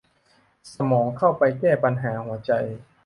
สมองเข้าไปแก้ปัญหาหัวใจ